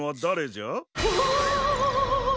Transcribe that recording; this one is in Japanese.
うわ！